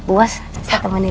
buas taruh temanin